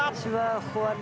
ここはね。